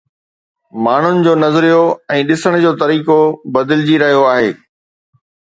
ماڻهن جو نظريو ۽ ڏسڻ جو طريقو بدلجي رهيو آهي.